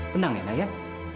tenang ya nayat